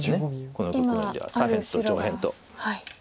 このところでは左辺と上辺と。